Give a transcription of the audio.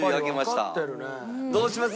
どうします？